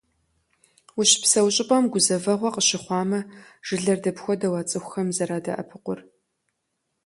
Ущыпсэу щӏыпӏэм гузэвэгъуэ къыщыхъуамэ, жылэр дапхуэдэу а цӏыхухэм зэрадэӏэпыкъур?